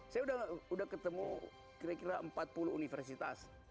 saya sudah ketemu kira kira empat puluh universitas